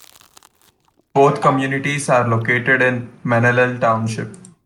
Both communities are located in Menallen Township.